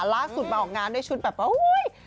ล่าสุดมาออกงานด้วยชุดแบบว่าอุ้ย